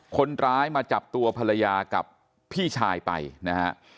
คนร้ายมาจับตัวภรรยากับพี่ชายไปนะฮะ